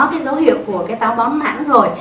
cái dấu hiệu của cái táo bón mãn rồi